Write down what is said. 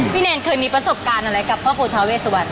พี่แนนเคยมีประสบการณ์อะไรกับพระผู้ท้าเวสวัน